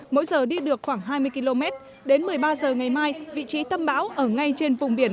mỗi giờ đi được khoảng hai mươi km đến một mươi ba h ngày mai vị trí tâm bão ở ngay trên vùng biển